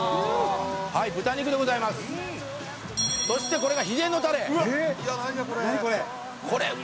「そしてこれが秘伝のたれ」